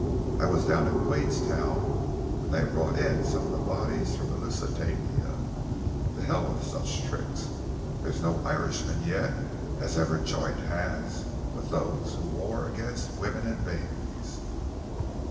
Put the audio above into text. I was down at Queenstown when they brought in some of the bodies from the Lusitania. To Hell with such tricks! There's no Irishman yet has ever joined hands with those who war against women and babies."